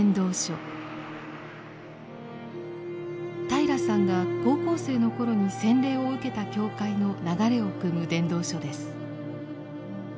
平良さんが高校生の頃に洗礼を受けた教会の流れをくむ伝道所です。